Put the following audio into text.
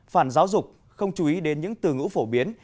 phản giáo dục không chú ý đến những từ ngữ phổ biến